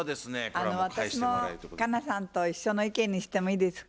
あの私も佳奈さんと一緒の意見にしてもいいですか？